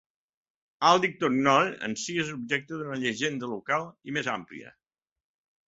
Aldington Knoll en si és objecte d'una llegenda local i més àmplia.